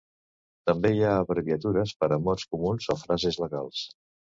També hi ha abreviatures per a mots comuns o frases legals.